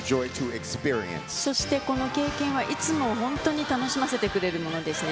そしてこの経験はいつも本当に楽しませてくれるものですね。